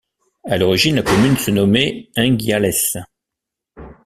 À l'origine la commune se nommait Enguialès.